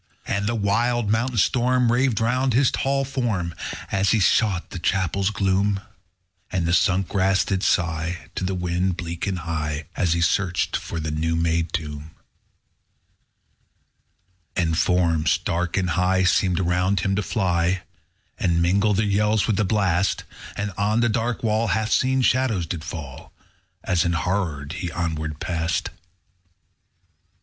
And the wild midnight storm Raved around his tall form, _60 As he sought the chapel's gloom: And the sunk grass did sigh To the wind, bleak and high, As he searched for the new made tomb. 12. And forms, dark and high, _65 Seemed around him to fly, And mingle their yells with the blast: And on the dark wall Half seen shadows did fall, As enhorrored he onward passed. _70 13.